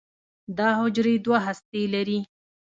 دا حجرې دوه هستې لري.